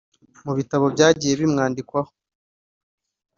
Mu bitabo byagiye bimwandikwaho